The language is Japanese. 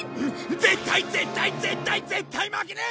絶対絶対絶対絶対負けねえ！